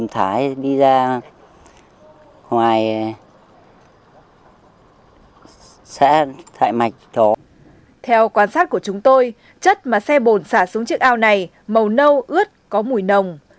theo quan sát của chúng tôi chất mà xe bồn xả xuống chiếc ao này màu nâu ướt có mùi nồng